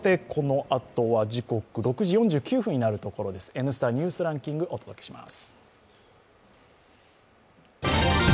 このあとは「Ｎスタ・ニュースランキング」をお届けします。